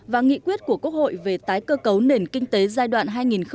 và nghị quyết của quốc hội về tái cơ cấu nền kinh tế giai đoạn hai nghìn một mươi sáu hai nghìn hai mươi